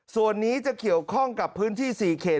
ส่วนนี้จะเกี่ยวข้องกับพื้นที่๔เขต